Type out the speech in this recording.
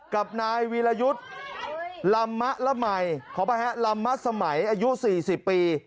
กับนายวีรยุทธิ์ลำมะละใหม่ลำมะสมัยอายุ๔๐ปี